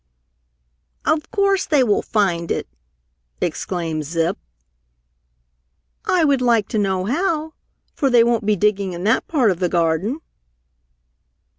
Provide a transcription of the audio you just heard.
"Of course they will find it!" exclaimed Zip. "I would like to know how! For they won't be digging in that part of the garden."